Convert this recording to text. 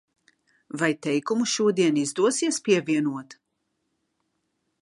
Vai teikumu šodien izdosies pievienot?